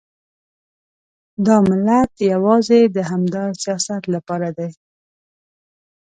دا ملت یوازې د همدا سیاست لپاره دی.